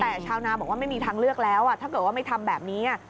แต่ชาวนาบอกว่าไม่มีทางเลือกแล้วถ้าเกิดว่าไม่ทำแบบนี้